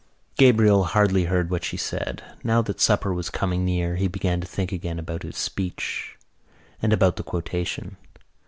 Gabriel hardly heard what she said. Now that supper was coming near he began to think again about his speech and about the quotation.